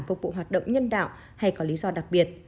phục vụ hoạt động nhân đạo hay có lý do đặc biệt